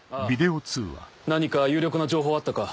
ああ何か有力な情報あったか？